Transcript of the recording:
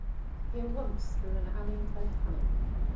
Here once, through an alley Titanic.